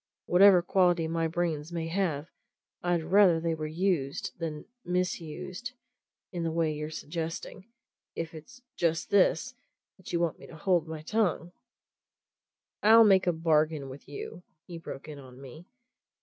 Whatever quality my brains may have, I'd rather they were used than misused in the way you're suggesting! If it's just this that you want me to hold my tongue " "I'll make a bargain with you," he broke in on me.